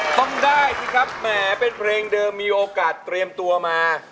ต้องได้สิครับแหมเป็นเพลงเดิมมีโอกาสเตรียมตัวมา